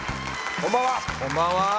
こんばんは！